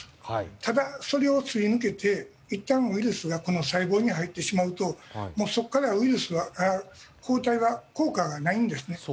ただ、それをすり抜けていったんウイルスが細胞に入るとそこから抗体は効果がないんですね。